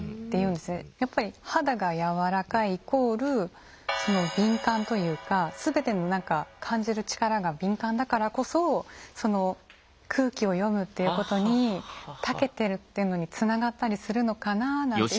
やっぱり肌がやわらかいイコール敏感というか全ての何か感じる力が敏感だからこそその空気を読むっていうことにたけてるっていうのにつながったりするのかなぁなんて